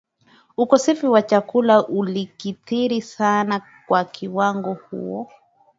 Ukosefu wa chakula ulikithiri sana kwa wakati huo